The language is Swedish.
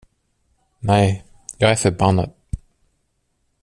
Nej, jag är förbannad.